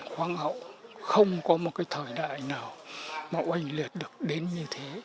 không có một cái thời đại nào mà oanh liệt được đến như thế